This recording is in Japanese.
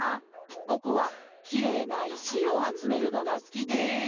ぼくはきれいないしをあつめるのがすきです」。